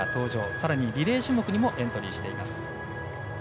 さらにリレー種目にもエントリーしています。